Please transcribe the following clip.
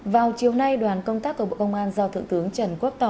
vào chiều nay đoàn công tác của bộ công an do thượng tướng trần quốc tỏ